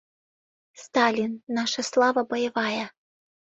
«Сталин — наша слава боевая...»